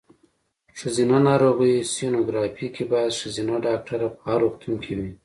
ښځېنه ناروغیو سینوګرافي کې باید ښځېنه ډاکټره په هر روغتون کې وي.